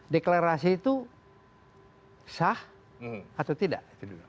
deklarasi itu sah atau tidak